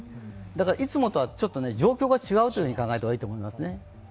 だから、いつもとは状況が違うと考えた方がいいですね。